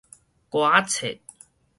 歌仔冊